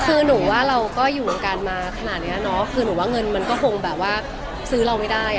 คือหนูว่าเราก็อยู่วงการมาขนาดนี้เนาะคือหนูว่าเงินมันก็คงแบบว่าซื้อเราไม่ได้